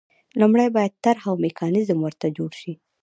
لومړی باید طرح او میکانیزم ورته جوړ شي.